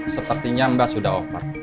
sepertinya mbak sudah over